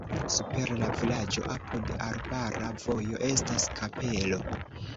Super la vilaĝo apud arbara vojo estas kapelo.